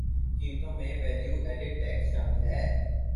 قیمتوں میں value added tax شامل ہے